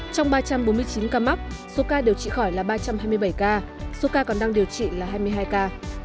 trong ba trăm bốn mươi chín ca mắc số ca điều trị khỏi là ba trăm hai mươi bảy ca số ca còn đang điều trị là hai mươi hai ca